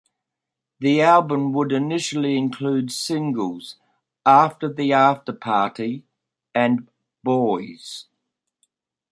The album would initially include singles "After the Afterparty" and "Boys".